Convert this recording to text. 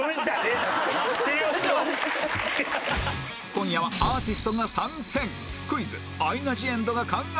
今夜はアーティストが参戦「右かな？